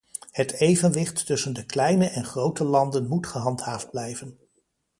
Het evenwicht tussen de kleine en grote landen moet gehandhaafd blijven.